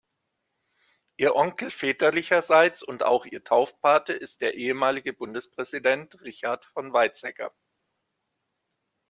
Ihr Onkel väterlicherseits und auch ihr Taufpate ist der ehemalige Bundespräsident Richard von Weizsäcker.